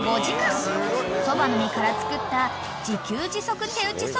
［そばの実から作った自給自足手打ちそばの完成］